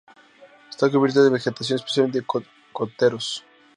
Está cubierta de vegetación, especialmente de cocoteros.